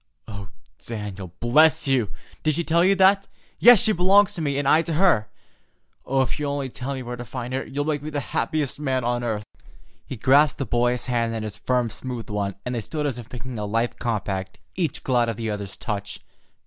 "Oh, Daniel, bless you! Did she tell you that? Yes, she belongs to me, and I to her, and if you'll only tell me where to find her, you'll make me the happiest man on earth!" He grasped the boy's hand in his firm, smooth one, and they stood as if making a life compact, each glad of the other's touch.